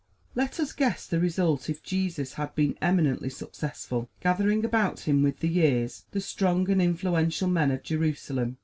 Let us guess the result if Jesus had been eminently successful, gathering about him, with the years, the strong and influential men of Jerusalem!